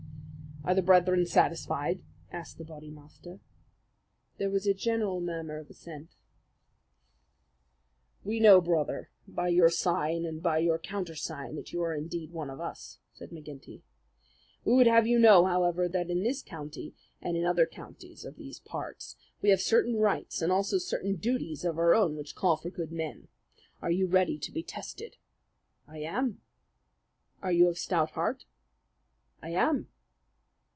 "Are the brethren satisfied?" asked the Bodymaster. There was a general murmur of assent. "We know, Brother, by your sign and by your countersign that you are indeed one of us," said McGinty. "We would have you know, however, that in this county and in other counties of these parts we have certain rites, and also certain duties of our own which call for good men. Are you ready to be tested?" "I am." "Are you of stout heart?" "I am."